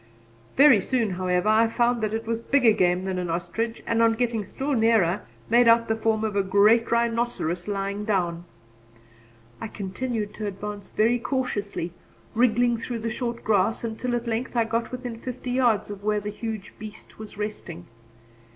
Very soon, however, I found that it was bigger game than an ostrich, and on getting still nearer made out the form of a great rhinoceros lying down. I continued to advance very cautiously, wriggling through the short grass until at length I got within fifty yards of where the huge beast was resting.